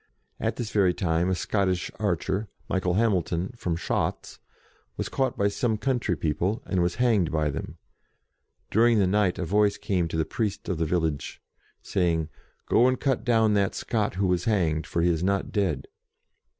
At this very time a Scottish archer, Michael Hamilton, from Shotts, was caught by some country people, and was hanged by them. During the night a voice came to the priest of the village, 26 JOAN OF ARC saying, "Go and cut down that Scot who was hanged, for he is not dead."